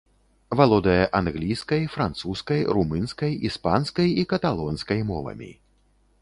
Валодае англійскай, французскай, румынскай, іспанскай і каталонскай мовамі.